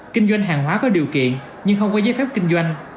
kinh doanh hàng hóa có điều kiện nhưng không có giấy phép kinh doanh